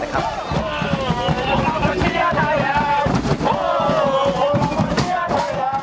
มาหาพวกเขาสั้นหน่อยนะครับ